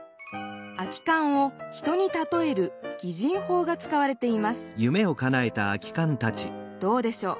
空き缶を人にたとえる擬人法がつかわれていますどうでしょう。